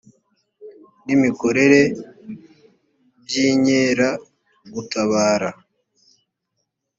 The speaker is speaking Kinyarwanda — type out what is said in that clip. n imikorere by inkeragutabara